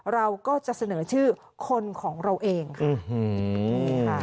เราก็จะเสนอชื่อคนของเราเองค่ะ